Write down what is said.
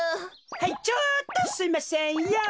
はいちょっとすいませんヨー。